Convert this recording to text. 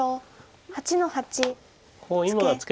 白８の八ツケ。